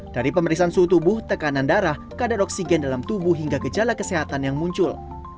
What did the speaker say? dari pemeriksaan suhu tubuh tekanan darah kadar oksigen dalam tubuh hingga gejala kesehatan yang muncul